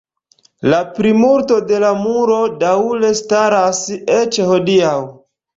La plimulto de la muro daŭre staras eĉ hodiaŭ.